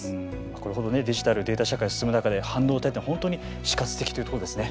これほどデジタルデータ社会が進む中で半導体というのは本当に死活的というところですね。